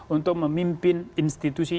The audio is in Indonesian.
untuk memimpin institusi